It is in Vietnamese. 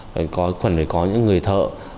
phần phải có những người thợ